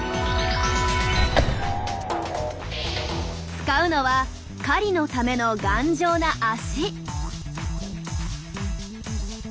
使うのは狩りのための頑丈な脚。